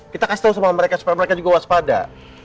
kita kasih tahu sama mereka supaya mereka juga waspada